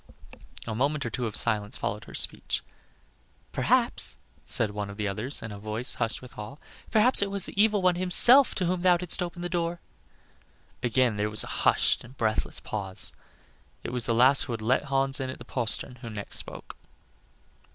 A moment or two of silence followed her speech. "Perhaps," said one of the others, in a voice hushed with awe, "perhaps it was the evil one himself to whom thou didst open the door." Again there was a hushed and breathless pause; it was the lass who had let Hans in at the postern, who next spoke.